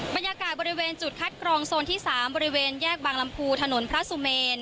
บรรยากาศบริเวณจุดคัดกรองโซนที่๓บริเวณแยกบางลำพูถนนพระสุเมน